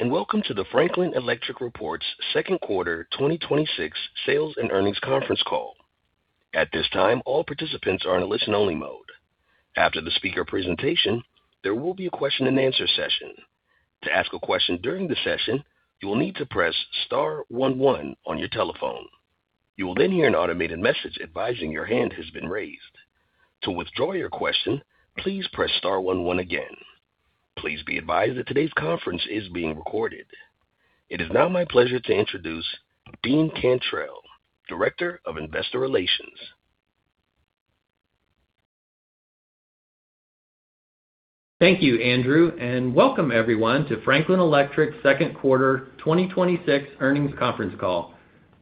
Good day, and welcome to the Franklin Electric second quarter 2026 sales and earnings conference call. At this time, all participants are in a listen-only mode. After the speaker presentation, there will be a question-and-answer session. To ask a question during the session, you will need to press star one one on your telephone. You will then hear an automated message advising your hand has been raised. To withdraw your question, please press star one one again. Please be advised that today's conference is being recorded. It is now my pleasure to introduce Dean Cantrell, Director of Investor Relations. Thank you, Andrew, and welcome everyone to Franklin Electric second quarter 2026 earnings conference call.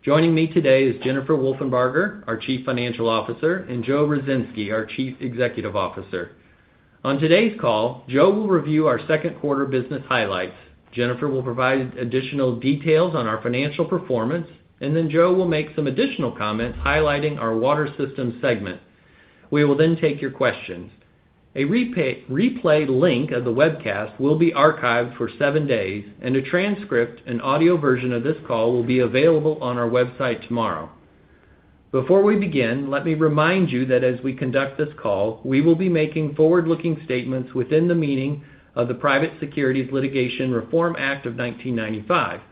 Joining me today is Jennifer Wolfenbarger, our Chief Financial Officer, and Joe Ruzynski, our Chief Executive Officer. On today's call, Joe will review our second quarter business highlights. Jennifer will provide additional details on our financial performance. Joe will make some additional comments highlighting our Water Systems segment. We will then take your questions. A replay link of the webcast will be archived for seven days, and a transcript and audio version of this call will be available on our website tomorrow. Before we begin, let me remind you that as we conduct this call, we will be making forward-looking statements within the meaning of the Private Securities Litigation Reform Act of 1995.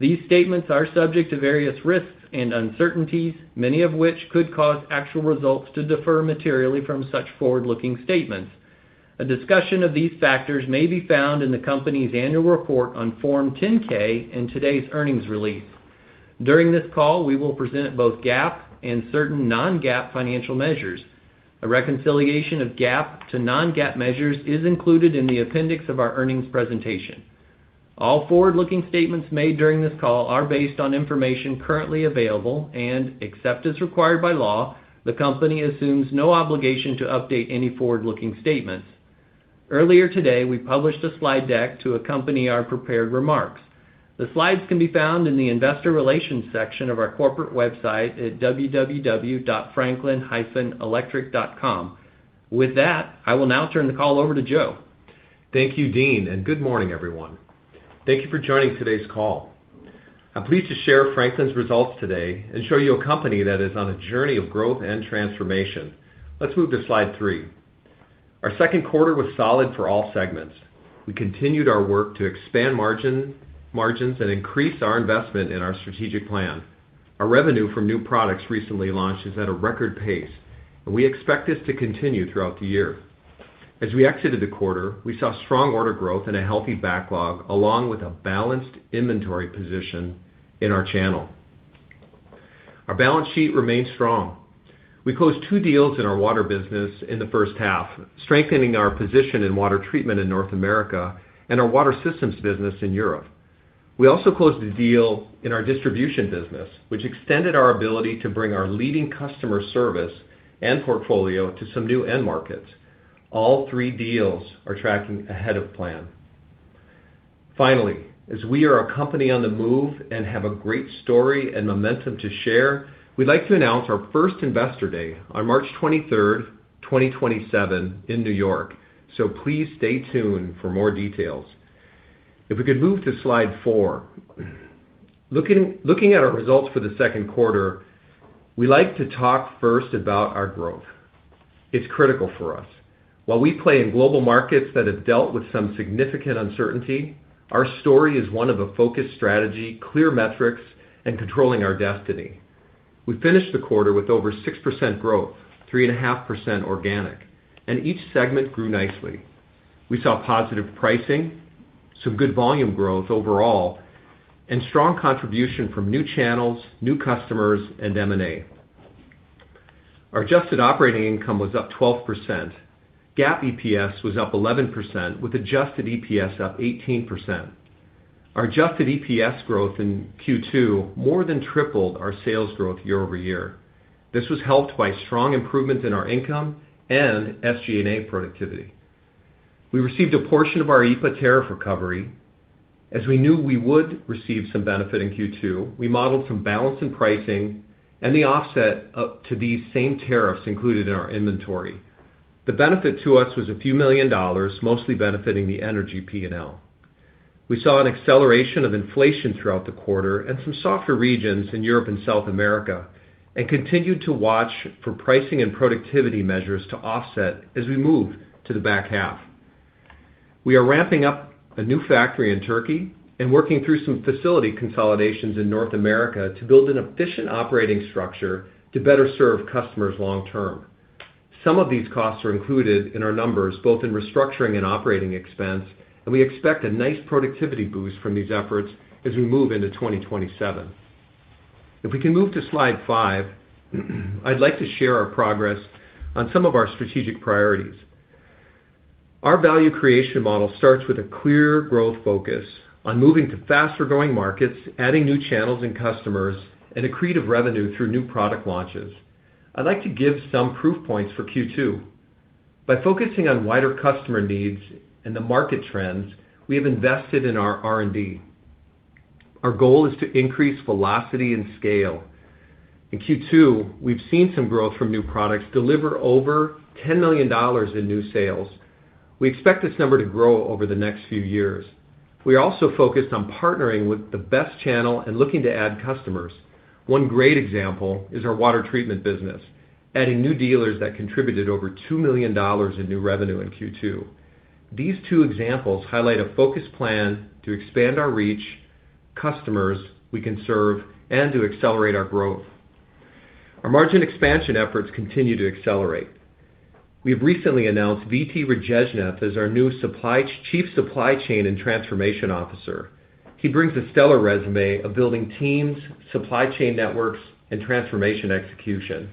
These statements are subject to various risks and uncertainties, many of which could cause actual results to differ materially from such forward-looking statements. A discussion of these factors may be found in the company's annual report on Form 10-K in today's earnings release. During this call, we will present both GAAP and certain non-GAAP financial measures. A reconciliation of GAAP to non-GAAP measures is included in the appendix of our earnings presentation. All forward-looking statements made during this call are based on information currently available. Except as required by law, the company assumes no obligation to update any forward-looking statements. Earlier today, we published a slide deck to accompany our prepared remarks. The slides can be found in the investor relations section of our corporate website at www.franklin-electric.com. With that, I will now turn the call over to Joe. Thank you, Dean, and good morning, everyone. Thank you for joining today's call. I'm pleased to share Franklin's results today and show you a company that is on a journey of growth and transformation. Let's move to slide three. Our second quarter was solid for all segments. We continued our work to expand margins and increase our investment in our strategic plan. Our revenue from new products recently launched is at a record pace. We expect this to continue throughout the year. As we exited the quarter, we saw strong order growth and a healthy backlog, along with a balanced inventory position in our channel. Our balance sheet remains strong. We closed two deals in our water business in the first half, strengthening our position in water treatment in North America and our Water Systems business in Europe. We also closed a deal in our Distribution business, which extended our ability to bring our leading customer service and portfolio to some new end markets. All three deals are tracking ahead of plan. Finally, as we are a company on the move and have a great story and momentum to share, we'd like to announce our first Investor Day on March 23rd, 2027, in New York. Please stay tuned for more details. If we could move to slide four. Looking at our results for the second quarter, we like to talk first about our growth. It's critical for us. While we play in global markets that have dealt with some significant uncertainty, our story is one of a focused strategy, clear metrics, and controlling our destiny. We finished the quarter with over 6% growth, 3.5% organic, and each segment grew nicely. We saw positive pricing, some good volume growth overall, and strong contribution from new channels, new customers, and M&A. Our adjusted operating income was up 12%. GAAP EPS was up 11% with adjusted EPS up 18%. Our adjusted EPS growth in Q2 more than tripled our sales growth year-over-year. This was helped by strong improvements in our income and SG&A productivity. We received a portion of our IEPA tariff recovery. As we knew we would receive some benefit in Q2, we modeled some balance in pricing and the offset to these same tariffs included in our inventory. The benefit to us was a few million dollars, mostly benefiting the Energy P&L. We saw an acceleration of inflation throughout the quarter and some softer regions in Europe and South America and continued to watch for pricing and productivity measures to offset as we move to the back half. We are ramping up a new factory in Türkiye and working through some facility consolidations in North America to build an efficient operating structure to better serve customers long term. Some of these costs are included in our numbers, both in restructuring and operating expense, and we expect a nice productivity boost from these efforts as we move into 2027. If we can move to slide five, I'd like to share our progress on some of our strategic priorities. Our value creation model starts with a clear growth focus on moving to faster-growing markets, adding new channels and customers, and accretive revenue through new product launches. I'd like to give some proof points for Q2. By focusing on wider customer needs and the market trends, we have invested in our R&D. Our goal is to increase velocity and scale. In Q2, we've seen some growth from new products deliver over $10 million in new sales. We expect this number to grow over the next few years. We are also focused on partnering with the best channel and looking to add customers. One great example is our water treatment business, adding new dealers that contributed over $2 million in new revenue in Q2. These two examples highlight a focused plan to expand our reach, customers we can serve, and to accelerate our growth. Our margin expansion efforts continue to accelerate. We have recently announced VT Rajeshnath as our new Chief Supply Chain and Transformation Officer. He brings a stellar resume of building teams, supply chain networks, and transformation execution.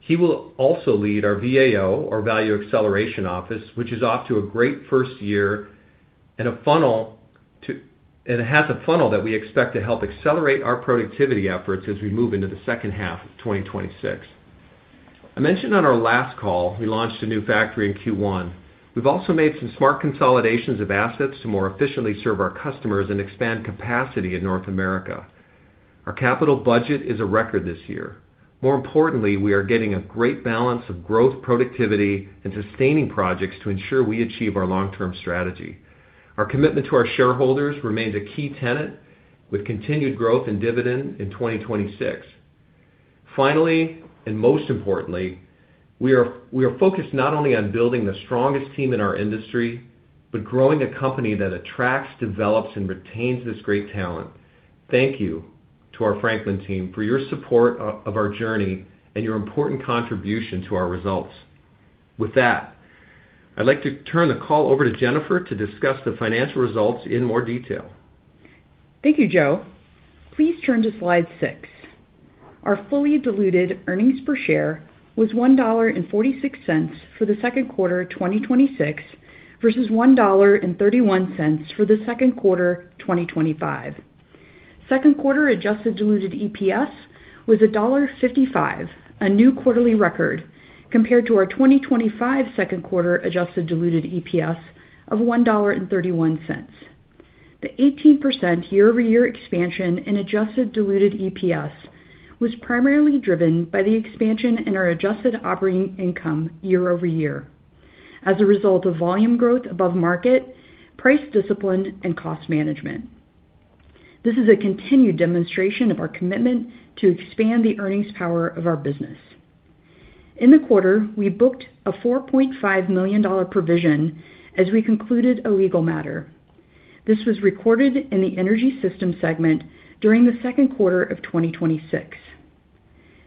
He will also lead our VAO, or Value Acceleration Office, which is off to a great first year, and has a funnel that we expect to help accelerate our productivity efforts as we move into the second half of 2026. I mentioned on our last call, we launched a new factory in Q1. We've also made some smart consolidations of assets to more efficiently serve our customers and expand capacity in North America. Our capital budget is a record this year. More importantly, we are getting a great balance of growth, productivity, and sustaining projects to ensure we achieve our long-term strategy. Our commitment to our shareholders remains a key tenet, with continued growth in dividend in 2026. Finally, and most importantly, we are focused not only on building the strongest team in our industry, but growing a company that attracts, develops, and retains this great talent. Thank you to our Franklin team for your support of our journey and your important contribution to our results. With that, I'd like to turn the call over to Jennifer to discuss the financial results in more detail. Thank you, Joe. Please turn to slide six. Our fully diluted earnings per share was $1.46 for the second quarter of 2026 versus $1.31 for the second quarter of 2025. Second quarter adjusted diluted EPS was $1.55, a new quarterly record, compared to our 2025 second quarter adjusted diluted EPS of $1.31. The 18% year-over-year expansion in adjusted diluted EPS was primarily driven by the expansion in our adjusted operating income year-over-year as a result of volume growth above market, price discipline, and cost management. This is a continued demonstration of our commitment to expand the earnings power of our business. In the quarter, we booked a $4.5 million provision as we concluded a legal matter. This was recorded in the Energy Systems segment during the second quarter of 2026.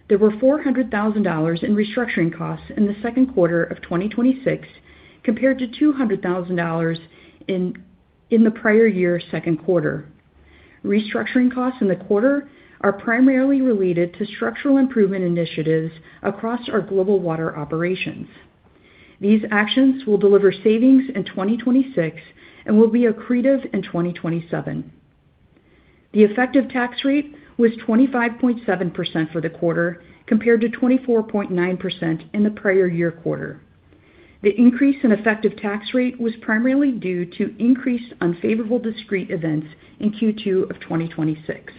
There were $400,000 in restructuring costs in the second quarter of 2026 compared to $200,000 in the prior year second quarter. Restructuring costs in the quarter are primarily related to structural improvement initiatives across our global water operations. These actions will deliver savings in 2026 and will be accretive in 2027. The effective tax rate was 25.7% for the quarter compared to 24.9% in the prior year quarter. The increase in effective tax rate was primarily due to increased unfavorable discrete events in Q2 of 2026.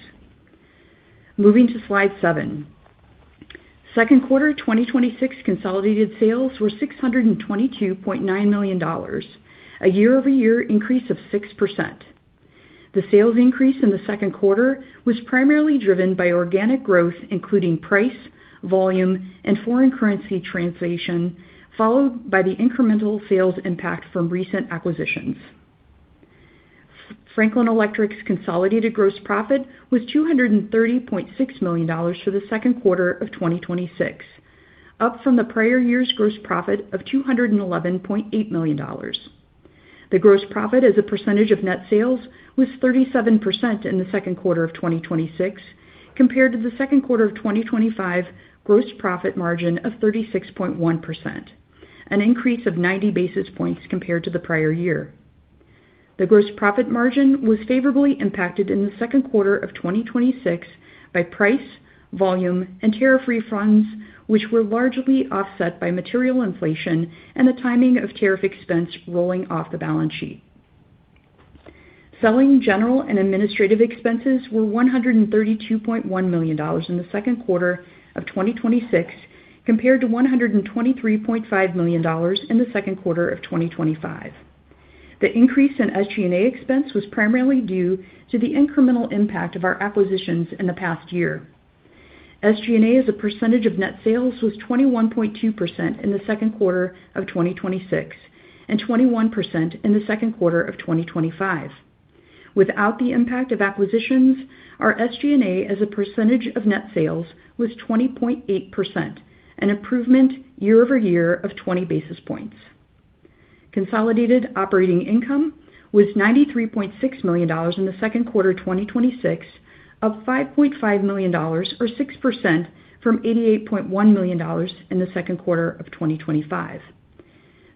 Moving to slide seven. Second quarter 2026 consolidated sales were $622.9 million, a year-over-year increase of 6%. The sales increase in the second quarter was primarily driven by organic growth, including price, volume, and foreign currency translation, followed by the incremental sales impact from recent acquisitions. Franklin Electric's consolidated gross profit was $230.6 million for the second quarter of 2026, up from the prior year's gross profit of $211.8 million. The gross profit as a percentage of net sales was 37% in the second quarter of 2026 compared to the second quarter of 2025 gross profit margin of 36.1%, an increase of 90 basis points compared to the prior year. The gross profit margin was favorably impacted in the second quarter of 2026 by price, volume, and tariff refunds, which were largely offset by material inflation and the timing of tariff expense rolling off the balance sheet. Selling general and administrative expenses were $132.1 million in the second quarter of 2026 compared to $123.5 million in the second quarter of 2025. The increase in SG&A expense was primarily due to the incremental impact of our acquisitions in the past year. SG&A as a percentage of net sales was 21.2% in the second quarter of 2026 and 21% in the second quarter of 2025. Without the impact of acquisitions, our SG&A as a percentage of net sales was 20.8%, an improvement year-over-year of 20 basis points. Consolidated operating income was $93.6 million in the second quarter 2026 of $5.5 million, or 6%, from $88.1 million in the second quarter of 2025.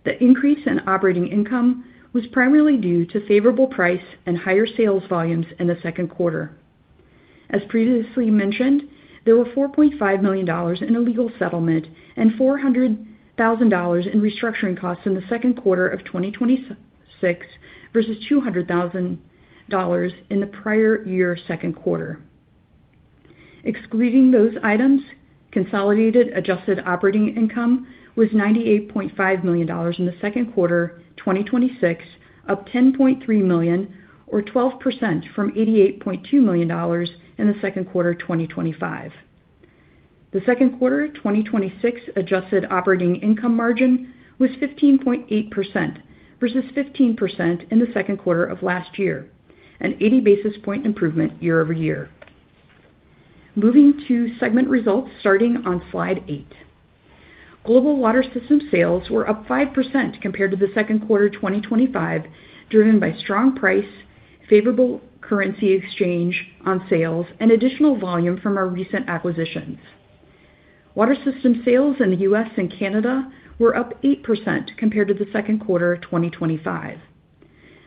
The increase in operating income was primarily due to favorable price and higher sales volumes in the second quarter. As previously mentioned, there were $4.5 million in a legal settlement and $400,000 in restructuring costs in the second quarter of 2026, versus $200,000 in the prior year second quarter. Excluding those items, consolidated adjusted operating income was $98.5 million in the second quarter 2026, up $10.3 million or 12% from $88.2 million in the second quarter of 2025. The second quarter of 2026 adjusted operating income margin was 15.8% versus 15% in the second quarter of last year, an 80 basis points improvement year-over-year. Moving to segment results starting on slide eight. Global Water Systems sales were up 5% compared to the second quarter 2025, driven by strong price, favorable currency exchange on sales, and additional volume from our recent acquisitions. Water Systems sales in the U.S. and Canada were up 8% compared to the second quarter of 2025.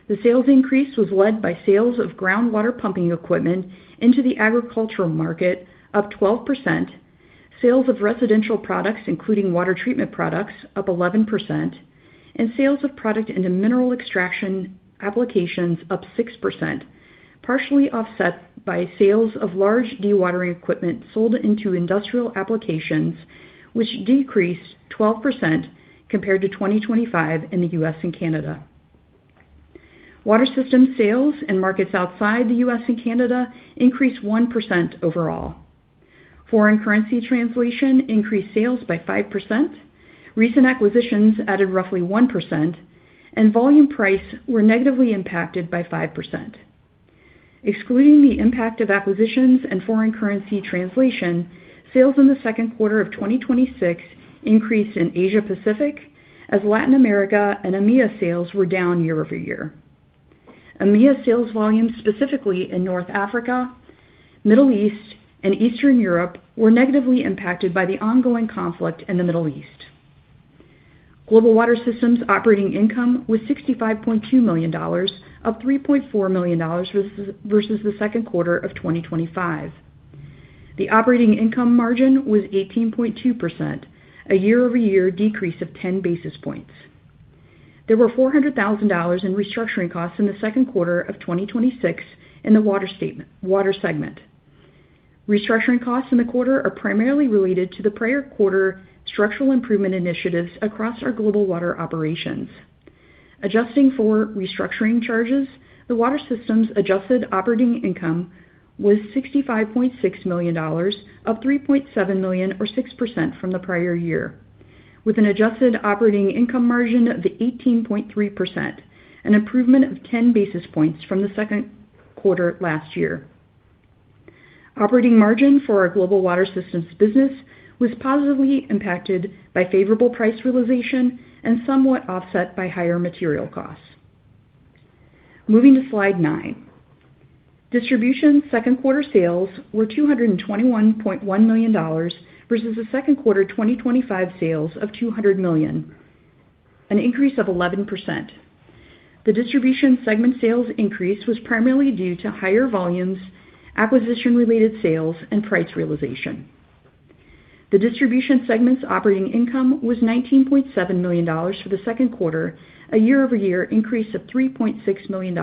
The sales increase was led by sales of groundwater pumping equipment into the agricultural market, up 12%, sales of residential products, including water treatment products, up 11%, and sales of product into mineral extraction applications up 6%, partially offset by sales of large dewatering equipment sold into industrial applications, which decreased 12% compared to 2025 in the U.S. and Canada. Water Systems sales and markets outside the U.S. and Canada increased 1% overall. Foreign currency translation increased sales by 5%. Recent acquisitions added roughly 1%, and volume price were negatively impacted by 5%. Excluding the impact of acquisitions and foreign currency translation, sales in the second quarter of 2026 increased in Asia-Pacific, as Latin America and EMEA sales were down year-over-year. EMEA sales volumes, specifically in North Africa, Middle East, and Eastern Europe were negatively impacted by the ongoing conflict in the Middle East. Global Water Systems operating income was $65.2 million, up $3.4 million versus the second quarter of 2025. The operating income margin was 18.2%, a year-over-year decrease of 10 basis points. There were $400,000 in restructuring costs in the second quarter of 2026 in the Water Systems segment. Restructuring costs in the quarter are primarily related to the prior quarter structural improvement initiatives across our global Water Systems operations. Adjusting for restructuring charges, the Water Systems' adjusted operating income was $65.6 million, up $3.7 million or 6% from the prior year, with an adjusted operating income margin of 18.3%, an improvement of 10 basis points from the second quarter last year. Operating margin for our global Water Systems business was positively impacted by favorable price realization and somewhat offset by higher material costs. Moving to slide nine. Distribution second quarter sales were $221.1 million versus the second quarter 2025 sales of $200 million, an increase of 11%. The Distribution segment sales increase was primarily due to higher volumes, acquisition-related sales, and price realization. The Distribution segment's operating income was $19.7 million for the second quarter, a year-over-year increase of $3.6 million.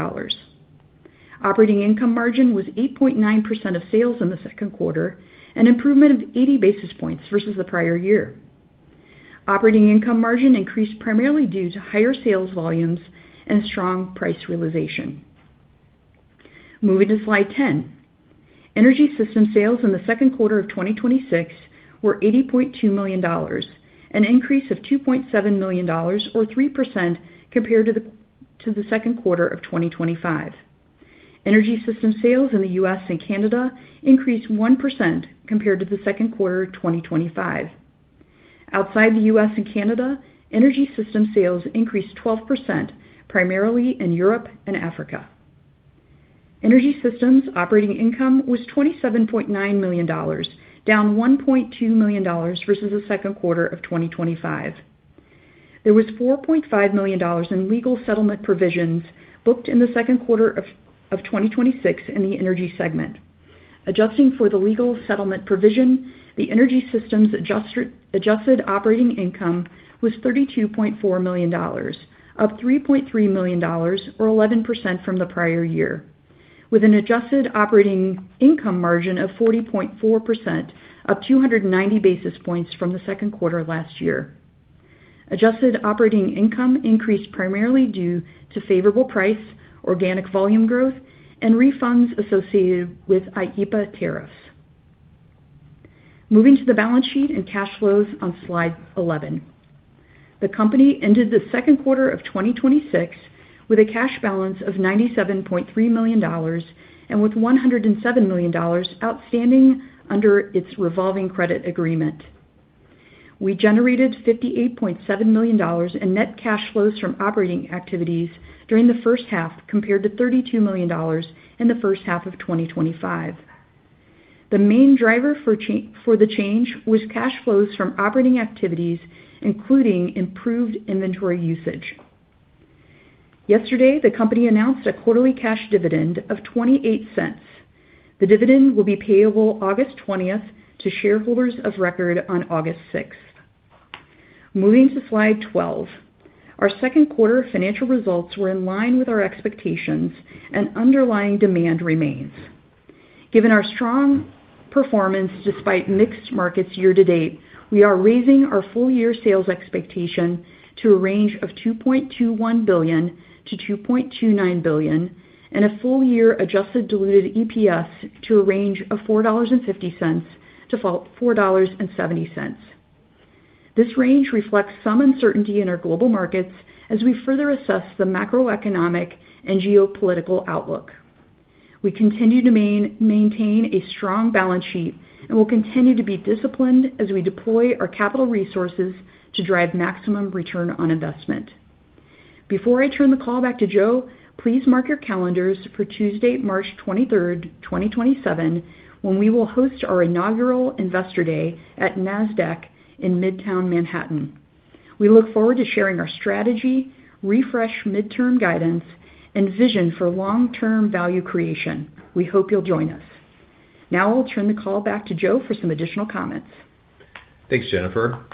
Operating income margin was 8.9% of sales in the second quarter, an improvement of 80 basis points versus the prior year. Operating income margin increased primarily due to higher sales volumes and strong price realization. Moving to slide 10. Energy Systems sales in the second quarter of 2026 were $80.2 million, an increase of $2.7 million or 3% compared to the second quarter of 2025. Energy Systems sales in the U.S. and Canada increased 1% compared to the second quarter of 2025. Outside the U.S. and Canada, Energy Systems sales increased 12%, primarily in Europe and Africa. Energy Systems operating income was $27.9 million, down $1.2 million versus the second quarter of 2025. There was $4.5 million in legal settlement provisions booked in the second quarter of 2026 in the Energy Systems segment. Adjusting for the legal settlement provision, the Energy Systems' adjusted operating income was $32.4 million, up $3.3 million or 11% from the prior year, with an adjusted operating income margin of 40.4%, up 290 basis points from the second quarter last year. Adjusted operating income increased primarily due to favorable price, organic volume growth, and refunds associated with IEPA tariffs. Moving to the balance sheet and cash flows on slide 11. The company ended the second quarter of 2026 with a cash balance of $97.3 million and with $107 million outstanding under its revolving credit agreement. We generated $58.7 million in net cash flows from operating activities during the first half, compared to $32 million in the first half of 2025. The main driver for the change was cash flows from operating activities, including improved inventory usage. Yesterday, the company announced a quarterly cash dividend of $0.28. The dividend will be payable August 20th to shareholders of record on August 6th. Moving to slide 12. Our second quarter financial results were in line with our expectations and underlying demand remains. Given our strong performance despite mixed markets year-to-date, we are raising our full-year sales expectation to a range of $2.21 billion-$2.29 billion, and a full-year adjusted diluted EPS to a range of $4.50-$4.70. This range reflects some uncertainty in our global markets as we further assess the macroeconomic and geopolitical outlook. We continue to maintain a strong balance sheet and will continue to be disciplined as we deploy our capital resources to drive maximum return on investment. Before I turn the call back to Joe, please mark your calendars for Tuesday, March 23rd, 2027, when we will host our inaugural Investor Day at Nasdaq in midtown Manhattan. We look forward to sharing our strategy, refreshed midterm guidance, and vision for long-term value creation. We hope you'll join us. I'll turn the call back to Joe for some additional comments. Thanks, Jennifer.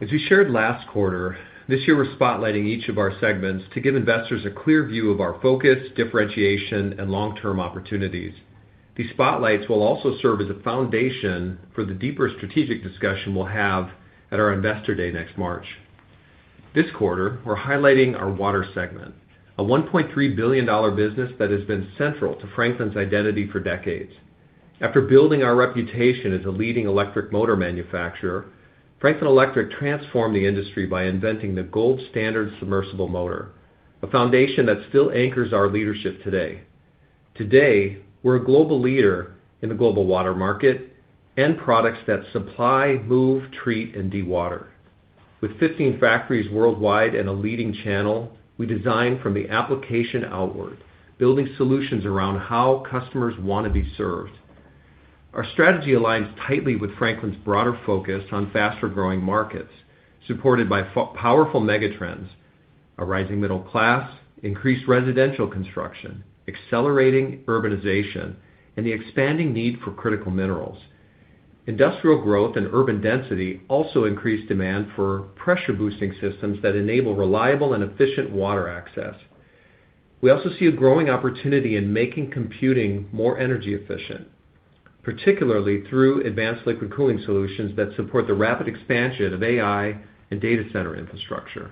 As we shared last quarter, this year we're spotlighting each of our segments to give investors a clear view of our focus, differentiation, and long-term opportunities. These spotlights will also serve as a foundation for the deeper strategic discussion we'll have at our Investor Day next March. This quarter, we're highlighting our water segment, a $1.3 billion business that has been central to Franklin's identity for decades. After building our reputation as a leading electric motor manufacturer, Franklin Electric transformed the industry by inventing the gold standard submersible motor, a foundation that still anchors our leadership today. Today, we're a global leader in the global water market and products that supply, move, treat, and dewater. With 15 factories worldwide and a leading channel, we design from the application outward, building solutions around how customers want to be served. Our strategy aligns tightly with Franklin's broader focus on faster-growing markets, supported by powerful megatrends, a rising middle class, increased residential construction, accelerating urbanization, and the expanding need for critical minerals. Industrial growth and urban density also increase demand for pressure-boosting systems that enable reliable and efficient water access. We also see a growing opportunity in making computing more energy efficient, particularly through advanced liquid cooling solutions that support the rapid expansion of AI and data center infrastructure.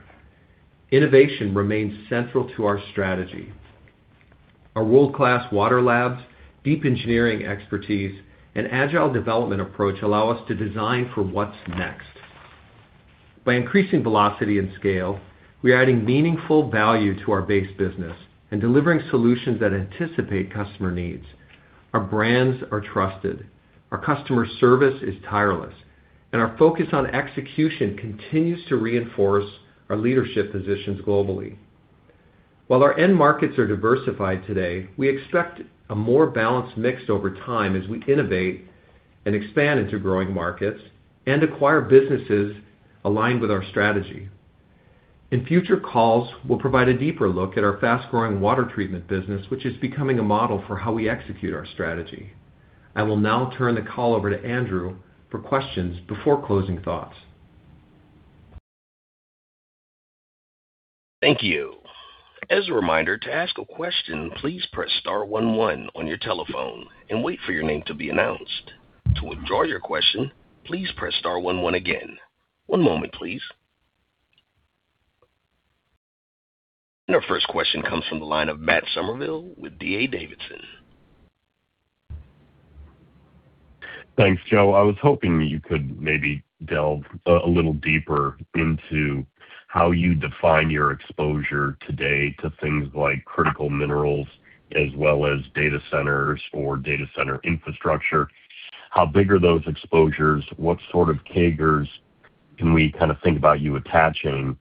Innovation remains central to our strategy. Our world-class water labs, deep engineering expertise, and agile development approach allow us to design for what's next. By increasing velocity and scale, we are adding meaningful value to our base business and delivering solutions that anticipate customer needs. Our brands are trusted, our customer service is tireless, and our focus on execution continues to reinforce our leadership positions globally. While our end markets are diversified today, we expect a more balanced mix over time as we innovate and expand into growing markets and acquire businesses aligned with our strategy. In future calls, we'll provide a deeper look at our fast-growing water treatment business, which is becoming a model for how we execute our strategy. I will now turn the call over to Andrew for questions before closing thoughts. Thank you. As a reminder, to ask a question, please press star one one on your telephone and wait for your name to be announced. To withdraw your question, please press star one one again. One moment, please. Our first question comes from the line of Matt Summerville with D.A. Davidson. Thanks, Joe. I was hoping you could maybe delve a little deeper into how you define your exposure today to things like critical minerals as well as data centers or data center infrastructure. How big are those exposures? What sort of CAGRs can we kind of think about you attaching?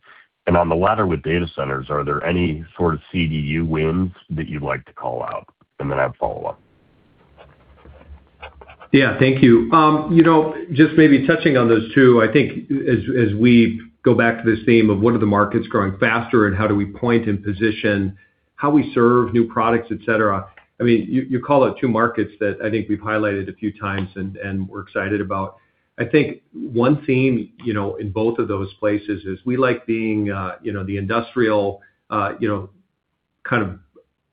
On the latter with data centers, are there any sort of CDU wins that you'd like to call out? Then I have follow-up. Yeah, thank you. Just maybe touching on those two, I think as we go back to this theme of what are the markets growing faster and how do we point and position how we serve new products, et cetera, you call out two markets that I think we've highlighted a few times and we're excited about. I think one theme in both of those places is we like being the industrial kind of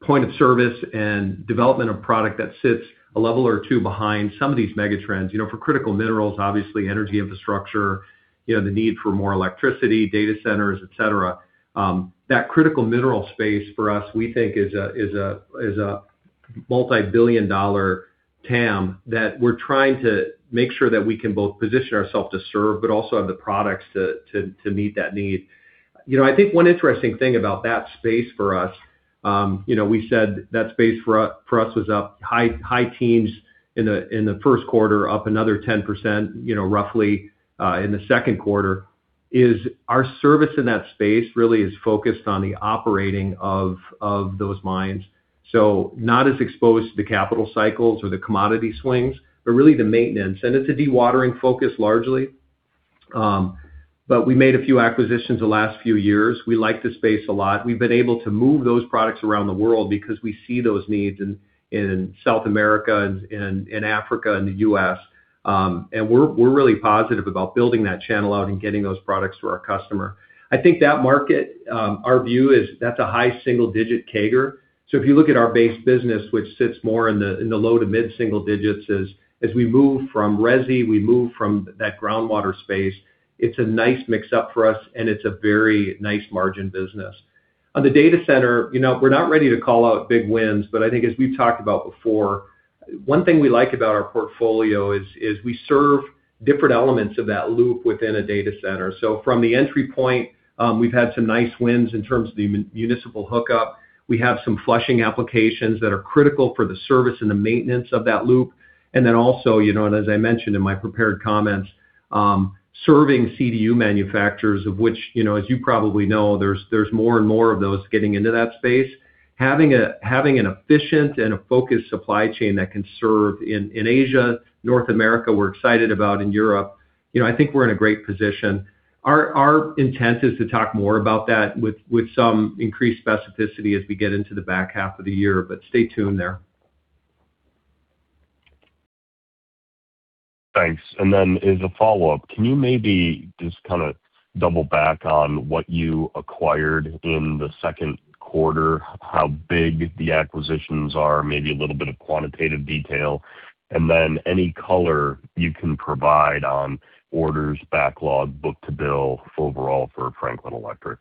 point of service and development of product that sits a level or two behind some of these megatrends. For critical minerals, obviously energy infrastructure, the need for more electricity, data centers, et cetera. That critical mineral space for us, we think is a multibillion-dollar TAM that we're trying to make sure that we can both position ourself to serve, but also have the products to meet that need. I think one interesting thing about that space for us, we said that space for us was up high teens in the first quarter, up another 10% roughly in the second quarter, is our service in that space really is focused on the operating of those mines. Not as exposed to the capital cycles or the commodity swings, but really the maintenance. It's a dewatering focus largely. We made a few acquisitions the last few years. We like this space a lot. We've been able to move those products around the world because we see those needs in South America and in Africa and the U.S. We're really positive about building that channel out and getting those products to our customer. I think that market, our view is that's a high single-digit CAGR. If you look at our base business, which sits more in the low to mid single digits, as we move from resi, we move from that groundwater space. It's a nice mix-up for us, and it's a very nice margin business. On the data center, we are not ready to call out big wins, but I think as we have talked about before, one thing we like about our portfolio is we serve different elements of that loop within a data center. From the entry point, we have had some nice wins in terms of the municipal hookup. We have some flushing applications that are critical for the service and the maintenance of that loop. Also, as I mentioned in my prepared comments, serving CDU manufacturers of which, as you probably know, there is more and more of those getting into that space. Having an efficient and a focused supply chain that can serve in Asia, North America, we are excited about in Europe. I think we are in a great position. Our intent is to talk more about that with some increased specificity as we get into the back half of the year, but stay tuned there. Thanks. As a follow-up, can you maybe just double back on what you acquired in the second quarter, how big the acquisitions are, maybe a little bit of quantitative detail, and then any color you can provide on orders backlog, book to bill overall for Franklin Electric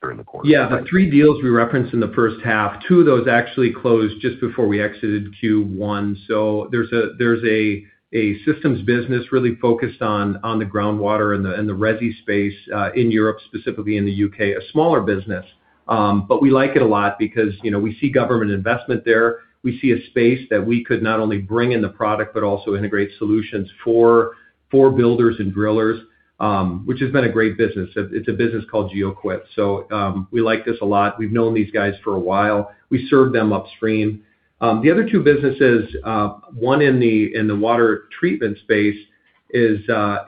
during the quarter? The three deals we referenced in the first half, two of those actually closed just before we exited Q1. There is a systems business really focused on the groundwater and the resi space, in Europe, specifically in the U.K. A smaller business, but we like it a lot because we see government investment there. We see a space that we could not only bring in the product, but also integrate solutions for builders and drillers, which has been a great business. It's a business called Geoquip. We like this a lot. We have known these guys for a while. We serve them upstream. The other two businesses, one in the water treatment space is a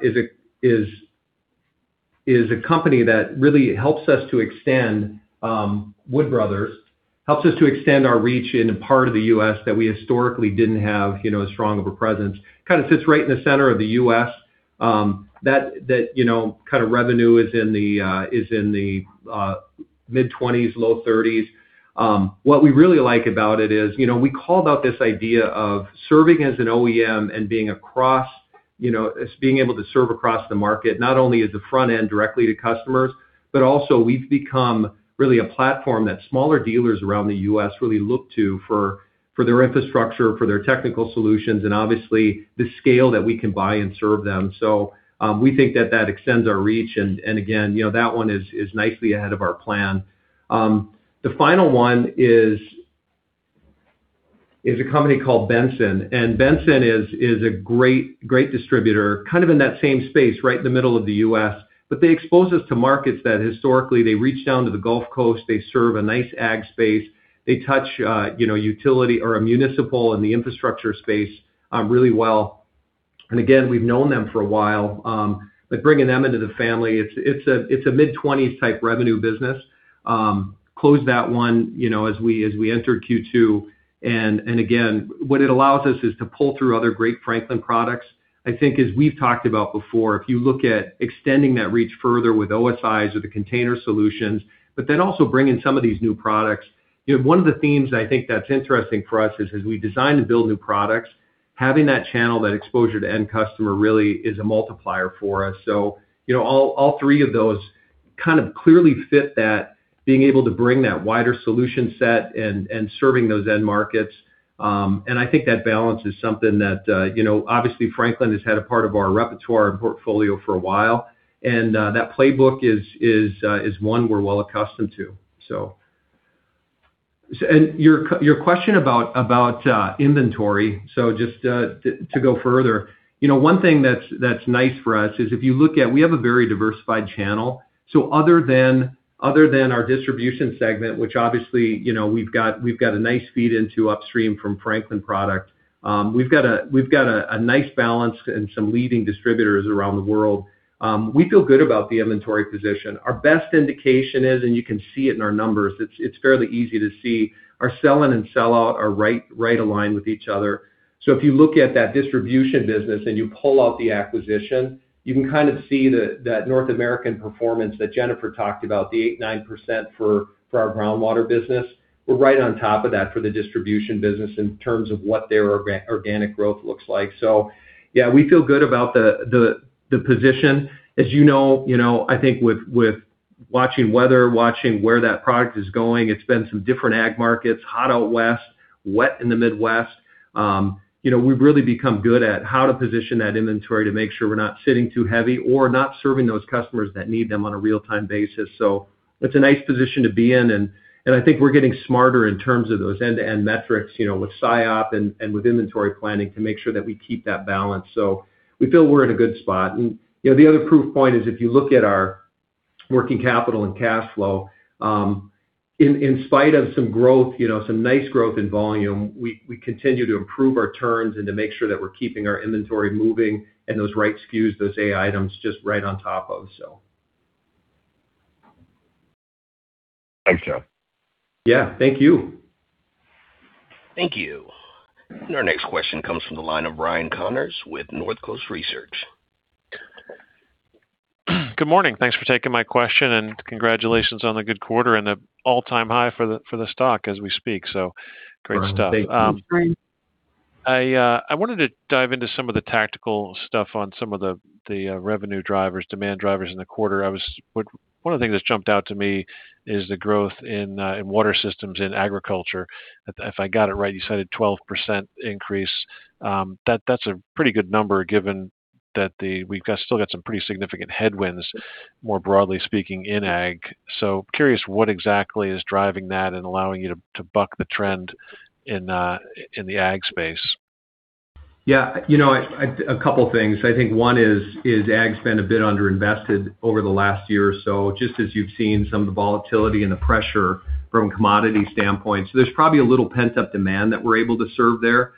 company that really helps us to extend, Wood Bros., helps us to extend our reach in a part of the U.S. that we historically did not have as strong of a presence. Kind of sits right in the center of the U.S. That kind of revenue is in the mid-$20s, low $30s. What we really like about it is, we called out this idea of serving as an OEM and being able to serve across the market, not only at the front end directly to customers, but also we've become really a platform that smaller dealers around the U.S. really look to for their infrastructure, for their technical solutions, and obviously the scale that we can buy and serve them. We think that that extends our reach, and again, that one is nicely ahead of our plan. The final one is a company called Benson. Benson is a great distributor, kind of in that same space, right in the middle of the U.S., but they expose us to markets that historically they reach down to the Gulf Coast, they serve a nice ag space. They touch utility or a municipal in the infrastructure space really well. Again, we've known them for a while, but bringing them into the family, it's a mid-$20s type revenue business. Closed that one as we entered Q2. Again, what it allows us is to pull through other great Franklin products. I think as we've talked about before, if you look at extending that reach further with OSIs or the container solutions, also bring in some of these new products. One of the themes I think that's interesting for us is as we design and build new products, having that channel, that exposure to end customer really is a multiplier for us. All three of those kind of clearly fit that being able to bring that wider solution set and serving those end markets. I think that balance is something that, obviously Franklin has had a part of our repertoire and portfolio for a while. That playbook is one we're well accustomed to. Your question about inventory, just to go further, one thing that's nice for us is if you look at, we have a very diversified channel. Other than our Distribution segment, which obviously we've got a nice feed into upstream from Franklin product. We've got a nice balance and some leading distributors around the world. We feel good about the inventory position. Our best indication is, you can see it in our numbers, it's fairly easy to see our sell in and sell out are right aligned with each other. If you look at that Distribution business and you pull out the acquisition, you can kind of see that North American performance that Jennifer talked about, the 8%-9% for our groundwater business. We're right on top of that for the Distribution business in terms of what their organic growth looks like. Yeah, we feel good about the position. As you know, I think with watching weather, watching where that product is going, it's been some different ag markets, hot out west, wet in the Midwest. We've really become good at how to position that inventory to make sure we're not sitting too heavy or not serving those customers that need them on a real-time basis. It's a nice position to be in, I think we're getting smarter in terms of those end-to-end metrics, with SIOP and with inventory planning to make sure that we keep that balance. We feel we're in a good spot. The other proof point is if you look at our working capital and cash flow. In spite of some nice growth in volume, we continue to improve our turns and to make sure that we're keeping our inventory moving and those right SKUs, those A items, just right on top of. Thanks, Joe. Yeah. Thank you. Thank you. Our next question comes from the line of Ryan Connors with Northcoast Research. Good morning. Thanks for taking my question, and congratulations on the good quarter and the all-time high for the stock as we speak. Great stuff. Ryan, thank you. I wanted to dive into some of the tactical stuff on some of the revenue drivers, demand drivers in the quarter. One of the things that's jumped out to me is the growth in Water Systems in agriculture. If I got it right, you cited 12% increase. That's a pretty good number given that we've still got some pretty significant headwinds, more broadly speaking, in ag. Curious what exactly is driving that and allowing you to buck the trend in the ag space. Yeah. A couple things. I think one is ag's been a bit under-invested over the last year or so, just as you've seen some of the volatility and the pressure from a commodity standpoint. There's probably a little pent-up demand that we're able to serve there.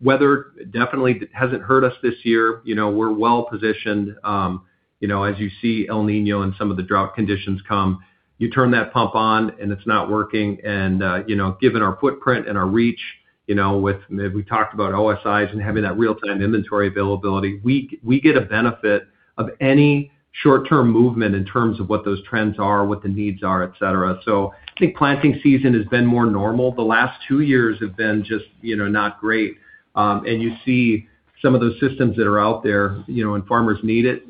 Weather definitely hasn't hurt us this year. We're well-positioned. As you see El Niño and some of the drought conditions come, you turn that pump on and it's not working, and given our footprint and our reach with, we talked about OSIs and having that real-time inventory availability, we get a benefit of any short-term movement in terms of what those trends are, what the needs are, et cetera. I think planting season has been more normal. The last two years have been just not great. You see some of those systems that are out there, when farmers need it,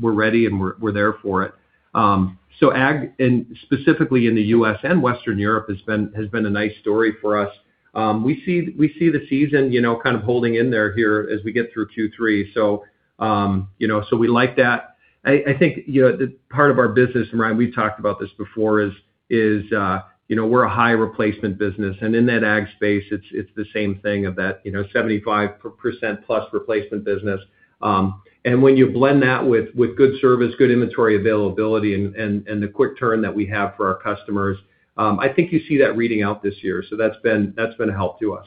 we're ready and we're there for it. Ag, and specifically in the U.S. and Western Europe, has been a nice story for us. We see the season kind of holding in there here as we get through Q3. We like that. I think part of our business, and Ryan, we've talked about this before, is we're a high replacement business, and in that ag space, it's the same thing of that 75%+ replacement business. When you blend that with good service, good inventory availability, and the quick turn that we have for our customers, I think you see that reading out this year. That's been a help to us.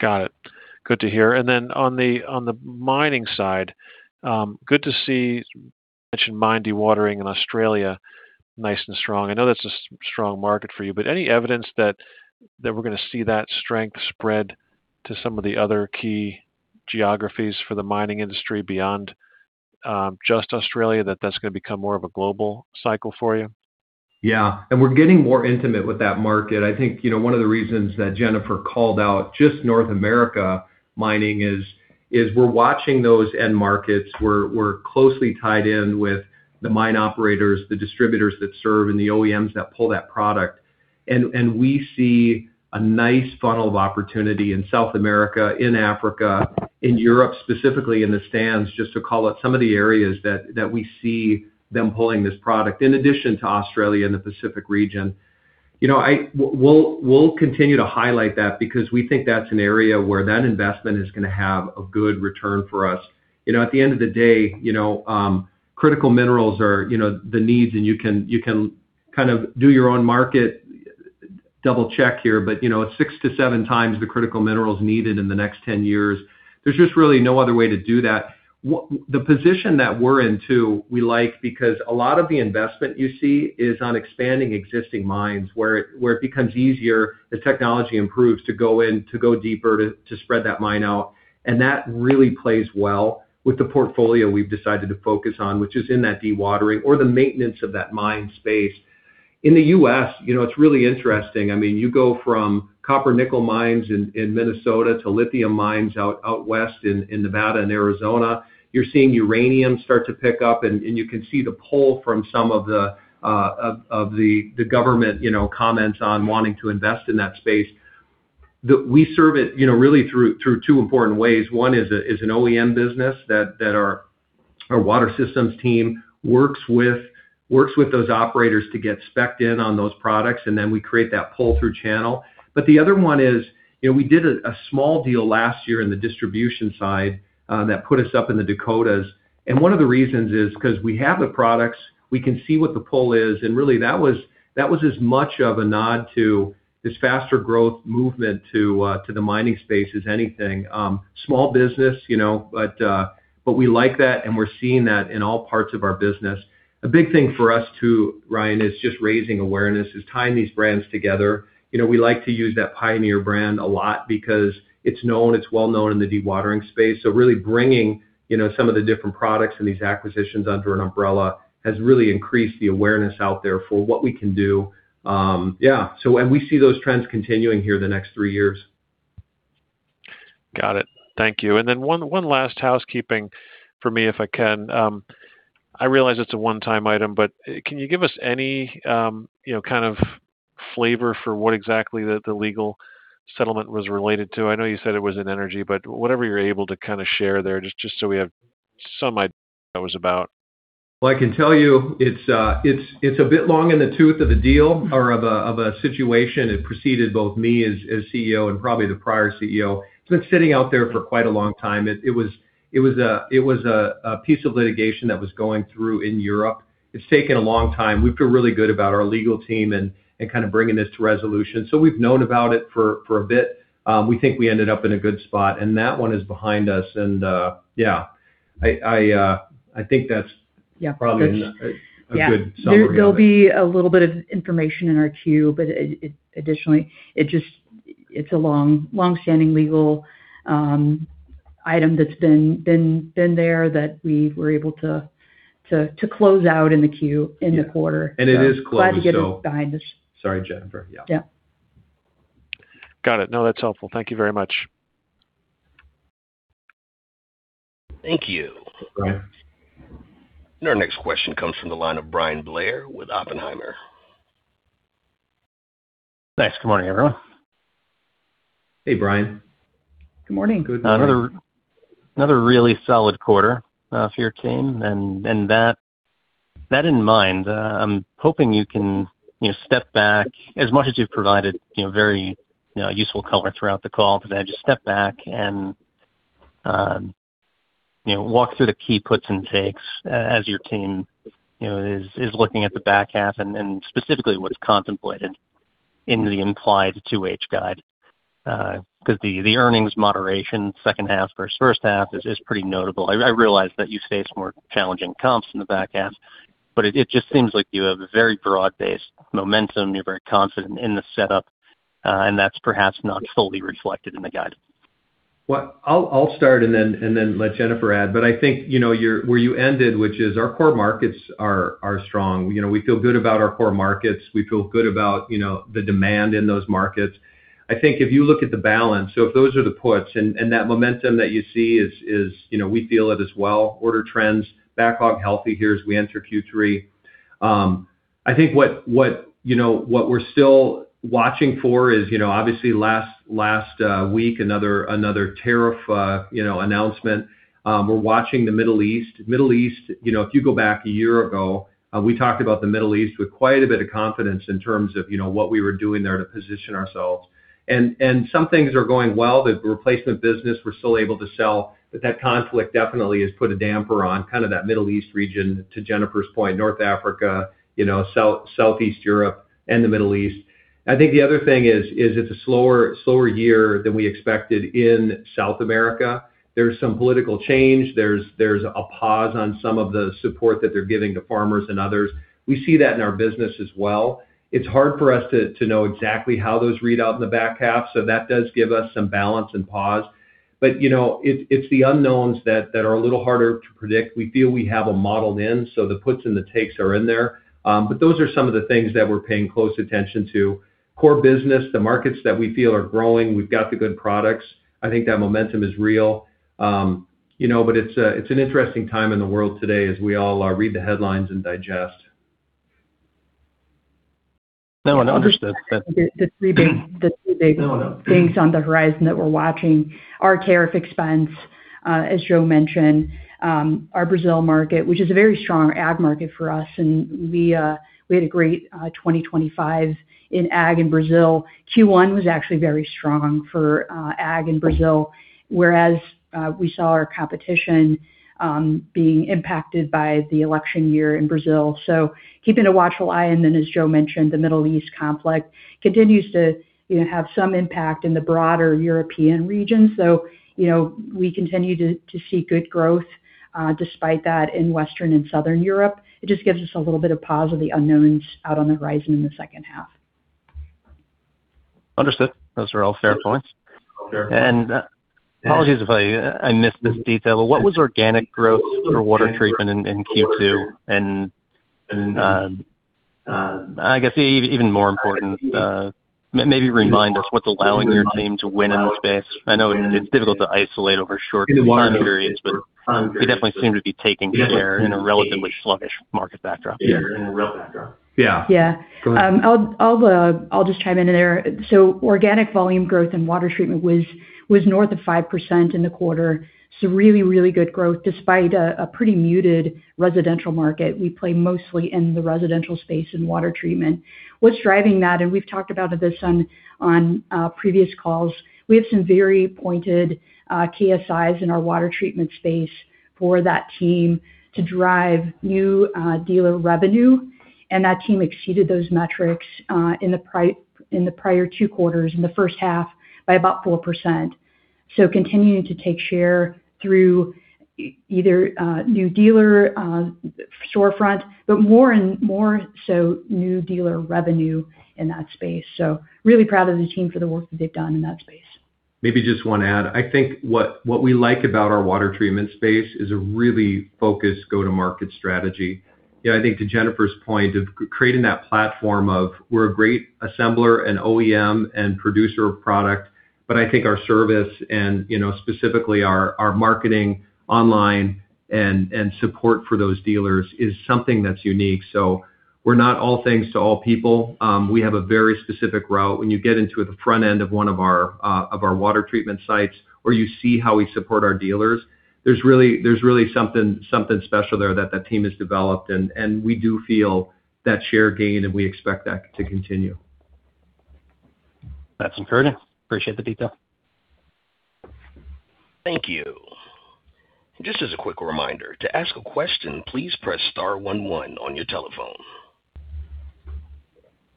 Got it. Good to hear. Then on the mining side, good to see you mentioned mine dewatering in Australia, nice and strong. I know that's a strong market for you, but any evidence that we're going to see that strength spread to some of the other key geographies for the mining industry beyond just Australia, that that's going to become more of a global cycle for you? Yeah. We're getting more intimate with that market. I think one of the reasons that Jennifer called out just North America mining is we're watching those end markets. We're closely tied in with the mine operators, the distributors that serve, and the OEMs that pull that product. We see a nice funnel of opportunity in South America, in Africa, in Europe specifically, in the Stans, just to call out some of the areas that we see them pulling this product, in addition to Australia and the Pacific region. We'll continue to highlight that because we think that's an area where that investment is going to have a good return for us. At the end of the day, critical minerals are the needs, and you can kind of do your own market double check here, but it's 6x to 7x the critical minerals needed in the next 10 years. There's just really no other way to do that. The position that we're in, too, we like because a lot of the investment you see is on expanding existing mines where it becomes easier as technology improves to go in, to go deeper, to spread that mine out. That really plays well with the portfolio we've decided to focus on, which is in that dewatering or the maintenance of that mine space. In the U.S., it's really interesting. You go from copper nickel mines in Minnesota to lithium mines out west in Nevada and Arizona. You're seeing uranium start to pick up, and you can see the pull from some of the government comments on wanting to invest in that space. We serve it really through two important ways. One is an OEM business that our Water Systems team works with those operators to get specced in on those products, and then we create that pull-through channel. The other one is, we did a small deal last year in the Distribution side that put us up in the Dakotas. One of the reasons is because we have the products, we can see what the pull is, and really that was as much of a nod to this faster growth movement to the mining space as anything. Small business, but we like that and we're seeing that in all parts of our business. A big thing for us, too, Ryan, is just raising awareness, is tying these brands together. We like to use that Pioneer brand a lot because it's known, it's well-known in the dewatering space. Really bringing some of the different products and these acquisitions under an umbrella has really increased the awareness out there for what we can do. Yeah. We see those trends continuing here the next three years. Got it. Thank you. Then one last housekeeping for me, if I can. I realize it's a one-time item, but can you give us any kind of flavor for what exactly the legal settlement was related to? I know you said it was in Energy, but whatever you're able to kind of share there, just so we have some idea what that was about. Well, I can tell you it's a bit long in the tooth of a deal or of a situation. It preceded both me as CEO and probably the prior CEO. It's been sitting out there for quite a long time. It was a piece of litigation that was going through in Europe. It's taken a long time. We feel really good about our legal team and bringing this to resolution. We've known about it for a bit. We think we ended up in a good spot, and that one is behind us. Yeah, I think that's probably a good summary. There'll be a little bit of information in our queue, additionally, it's a long-standing legal item that's been there that we were able to close out in the queue in the quarter. It is closed, though. Glad to get it behind us. Sorry, Jennifer. Yeah. Got it. No, that's helpful. Thank you very much. Thank you. Okay. Our next question comes from the line of Bryan Blair with Oppenheimer. Thanks. Good morning, everyone. Hey, Bryan. Good morning. Good morning. Another really solid quarter for your team, and that in mind, I'm hoping you can step back as much as you've provided very useful color throughout the call. Just step back and walk through the key puts and takes as your team is looking at the back half and specifically what is contemplated in the implied 2H guide. The earnings moderation second half versus first half is pretty notable. I realize that you face more challenging comps in the back half, but it just seems like you have a very broad-based momentum. You're very confident in the setup. That's perhaps not fully reflected in the guidance. I'll start and then let Jennifer add. I think where you ended, which is our core markets are strong. We feel good about our core markets. We feel good about the demand in those markets. I think if you look at the balance, if those are the puts and that momentum that you see is we feel it as well, order trends, backlog healthy here as we enter Q3. I think what we're still watching for is, obviously last week, another tariff announcement. We're watching the Middle East. Middle East, if you go back a year ago, we talked about the Middle East with quite a bit of confidence in terms of what we were doing there to position ourselves, and some things are going well. The replacement business, we're still able to sell, that conflict definitely has put a damper on that Middle East region, to Jennifer's point, North Africa, Southeast Europe and the Middle East. I think the other thing is it's a slower year than we expected in South America. There's some political change. There's a pause on some of the support that they're giving to farmers and others. We see that in our business as well. It's hard for us to know exactly how those read out in the back half. That does give us some balance and pause. It's the unknowns that are a little harder to predict. We feel we have them modeled in, the puts and the takes are in there. Those are some of the things that we're paying close attention to. Core business, the markets that we feel are growing, we've got the good products. I think that momentum is real. It's an interesting time in the world today as we all read the headlines and digest. No, understood. The three big- No, no things on the horizon that we're watching, our tariff expense, as Joe mentioned, our Brazil market, which is a very strong ag market for us, and we had a great 2025 in ag in Brazil. Q1 was actually very strong for ag in Brazil, whereas we saw our competition being impacted by the election year in Brazil. Keeping a watchful eye, and then, as Joe mentioned, the Middle East conflict continues to have some impact in the broader European region, so we continue to see good growth despite that in Western and Southern Europe. It just gives us a little bit of pause of the unknowns out on the horizon in the second half. Understood. Those are all fair points. Sure. Apologies if I missed this detail, but what was organic growth for Water Treatment in Q2? I guess even more important, maybe remind us what's allowing your team to win in this space. It's difficult to isolate over short time periods, but you definitely seem to be taking share in a relatively sluggish market backdrop. Yeah. Yeah. Go ahead. I'll just chime in there. Organic volume growth in Water Treatment was north of 5% in the quarter. Really good growth despite a pretty muted residential market. We play mostly in the residential space in Water Treatment. What's driving that, and we've talked about this on previous calls, we have some very pointed KPIs in our Water Treatment space for that team to drive new dealer revenue, and that team exceeded those metrics in the prior two quarters, in the first half by about 4%. Continuing to take share through either new dealer storefront, but more and more so new dealer revenue in that space. Really proud of the team for the work that they've done in that space. Maybe just one add. I think what we like about our Water Treatment space is a really focused go-to-market strategy. I think to Jennifer's point of creating that platform of we're a great assembler and OEM and producer of product, but I think our service and specifically our marketing online and support for those dealers is something that's unique. We're not all things to all people. We have a very specific route. When you get into the front end of one of our Water Treatment sites, or you see how we support our dealers, there's really something special there that team has developed, and we do feel that share gain, and we expect that to continue. That's encouraging. Appreciate the detail. Thank you. Just as a quick reminder, to ask a question, please press star one one on your telephone.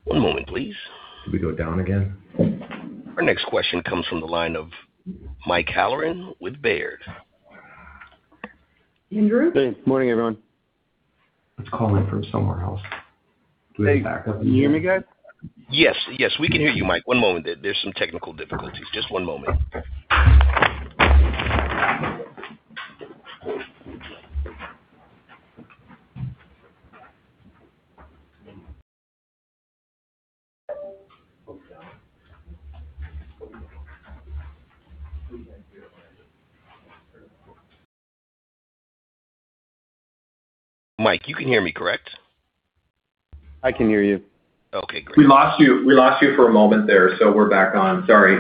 One moment, please. Did we go down again? Our next question comes from the line of Mike Halloran with Baird. Andrew? Hey, morning, everyone. It's calling from somewhere else. Can you hear me guys? Yes. Yes, we can hear you, Mike. One moment. There's some technical difficulties. Just one moment. Mike, you can hear me, correct? I can hear you. Okay, great. We lost you for a moment there. We're back on. Sorry.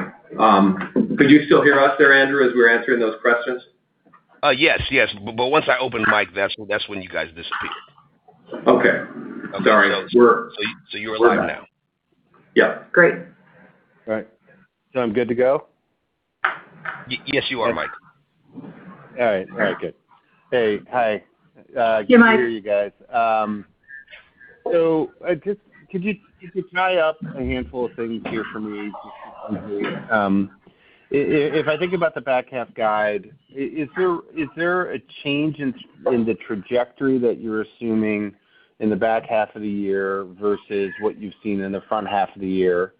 Could you still hear us there, Andrew, as we were answering those questions? Yes. Yes. Once I opened Mike, that's when you guys disappeared. Okay. Sorry. You're live now? Yeah. Great. All right. I'm good to go? Yes, you are, Mike. All right. All right, good. Hey. Yeah, Mike. Good to hear you guys. Could you tie up a handful of things here for me, just briefly? If I think about the back half guide, is there a change in the trajectory that you're assuming in the back half of the year versus what you've seen in the front half of the year?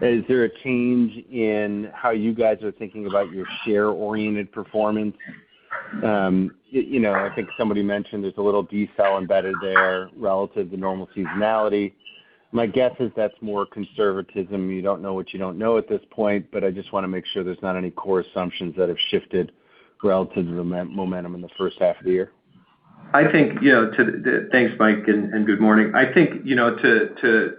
Is there a change in how you guys are thinking about your share-oriented performance? I think somebody mentioned there's a little decel embedded there relative to normal seasonality. My guess is that's more conservatism. You don't know what you don't know at this point, but I just want to make sure there's not any core assumptions that have shifted relative to the momentum in the first half of the year. Thanks, Mike, and good morning. I think,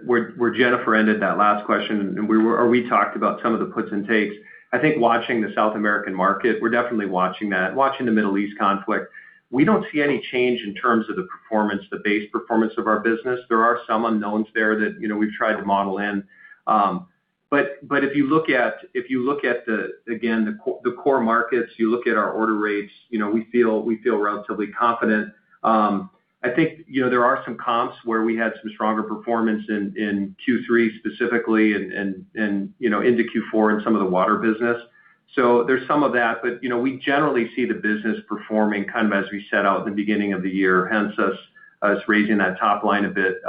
where Jennifer ended that last question, we talked about some of the puts and takes. I think watching the South American market, we're definitely watching that, watching the Middle East conflict. We don't see any change in terms of the performance, the base performance of our business. There are some unknowns there that we've tried to model in. If you look at, again, the core markets, you look at our order rates, we feel relatively confident. I think there are some comps where we had some stronger performance in Q3 specifically and into Q4 in some of the water business. There's some of that, but we generally see the business performing as we set out at the beginning of the year, hence us raising that top line a bit.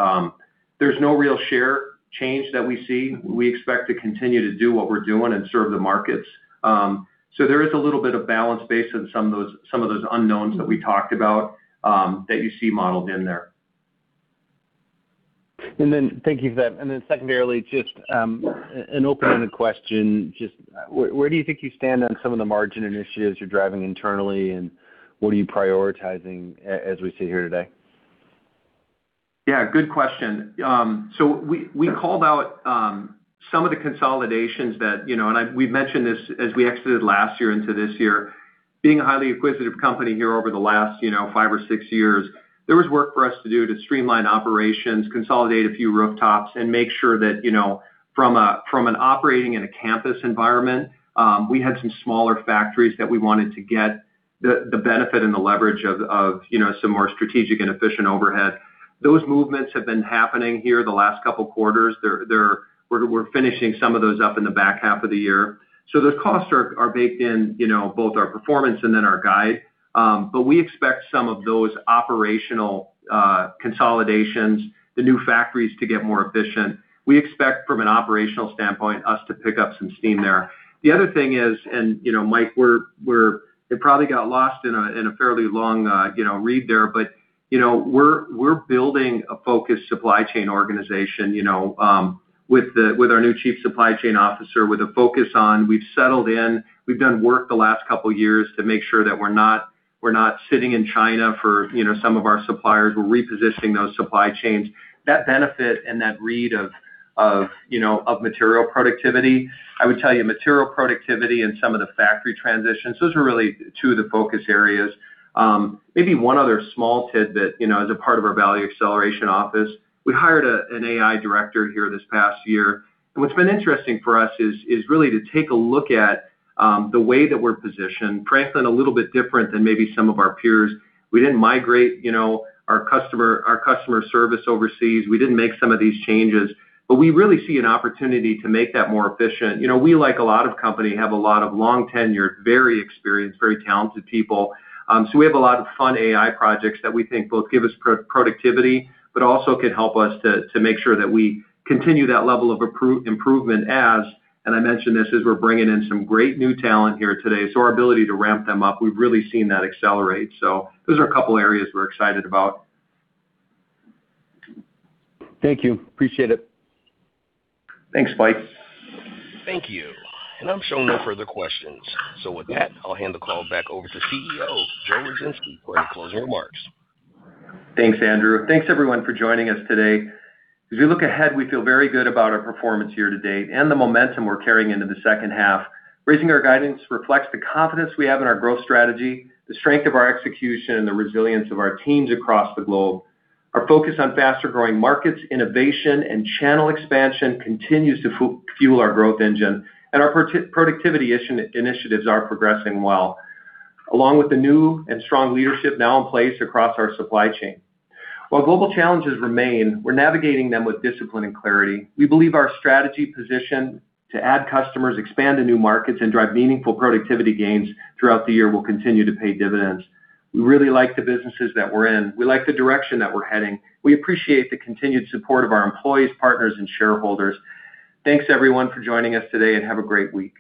There's no real share change that we see. We expect to continue to do what we're doing and serve the markets. There is a little bit of balance based on some of those unknowns that we talked about, that you see modeled in there. Thank you for that. Secondarily, just an open-ended question, just where do you think you stand on some of the margin initiatives you're driving internally, and what are you prioritizing as we sit here today? Good question. We called out some of the consolidations that, and we've mentioned this as we exited last year into this year. Being a highly acquisitive company here over the last five or six years, there was work for us to do to streamline operations, consolidate a few rooftops, and make sure that from an operating and a campus environment, we had some smaller factories that we wanted to get the benefit and the leverage of some more strategic and efficient overhead. Those movements have been happening here the last couple of quarters. We're finishing some of those up in the back half of the year. Those costs are baked in both our performance and then our guide. We expect some of those operational consolidations, the new factories to get more efficient. We expect from an operational standpoint, us to pick up some steam there. The other thing is, and Mike, it probably got lost in a fairly long read there, but we're building a focused supply chain organization with our new Chief Supply Chain Officer with a focus on we've settled in. We've done work the last couple of years to make sure that we're not sitting in China for some of our suppliers. We're repositioning those supply chains. That benefit and that read of material productivity. I would tell you material productivity and some of the factory transitions, those are really two of the focus areas. Maybe one other small tidbit, as a part of our Value Acceleration Office, we hired an AI director here this past year. What's been interesting for us is really to take a look at the way that we're positioned, frankly a little bit different than maybe some of our peers. We didn't migrate our customer service overseas. We didn't make some of these changes. We really see an opportunity to make that more efficient. We, like a lot of company, have a lot of long tenure, very experienced, very talented people. We have a lot of fun AI projects that we think both give us productivity, but also can help us to make sure that we continue that level of improvement as, and I mentioned this as we're bringing in some great new talent here today. Our ability to ramp them up, we've really seen that accelerate. Those are a couple of areas we're excited about. Thank you. Appreciate it. Thanks, Mike. Thank you. I'm showing no further questions. With that, I'll hand the call back over to CEO, Joe Ruzynski, for any closing remarks. Thanks, Andrew. Thanks everyone for joining us today. As we look ahead, we feel very good about our performance here to date and the momentum we're carrying into the second half. Raising our guidance reflects the confidence we have in our growth strategy, the strength of our execution, and the resilience of our teams across the globe. Our focus on faster-growing markets, innovation, and channel expansion continues to fuel our growth engine, and our productivity initiatives are progressing well, along with the new and strong leadership now in place across our supply chain. While global challenges remain, we're navigating them with discipline and clarity. We believe our strategy position to add customers, expand to new markets, and drive meaningful productivity gains throughout the year will continue to pay dividends. We really like the businesses that we're in. We like the direction that we're heading. We appreciate the continued support of our employees, partners, and shareholders. Thanks everyone for joining us today, and have a great week.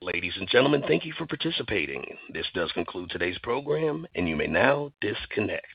Ladies and gentlemen, thank you for participating. This does conclude today's program, and you may now disconnect.